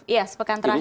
iya sepekan terakhir